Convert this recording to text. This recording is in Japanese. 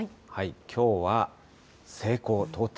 きょうは、西高東低。